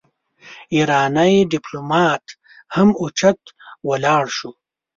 ايرانی ډيپلومات هم اوچت ولاړ شو.